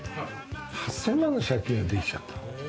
８０００万の借金ができちゃった。